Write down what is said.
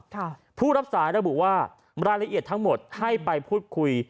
ผู้รับสายระบุว่ารายละเอียดทั้งหมดให้ไปพูดคุย